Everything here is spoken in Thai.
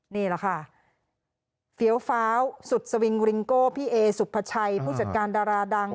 นี่แหละค่ะเฟี้ยวฟ้าวสุดสวิงริงโก้พี่เอสุภาชัยผู้จัดการดาราดัง